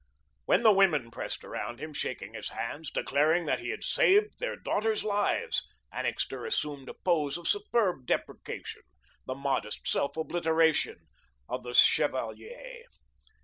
When the women pressed around him, shaking his hands, declaring that he had saved their daughters' lives, Annixter assumed a pose of superb deprecation, the modest self obliteration of the chevalier.